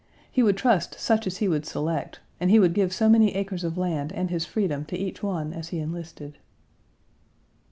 He would trust such as he would select, and he would give so many acres of land and his freedom to each one as he enlisted.